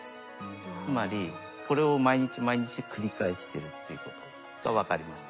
つまりこれを毎日毎日繰り返してるっていうことが分かりました。